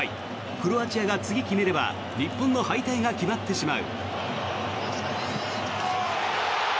クロアチアが次、決めれば日本の敗退が決まってしまう。